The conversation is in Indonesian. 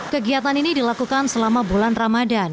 kegiatan ini dilakukan selama bulan ramadan